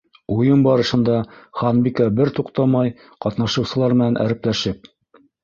Уйын барышында Ханбикә бер туҡтамай ҡатнашыусылар менән әрепләшеп: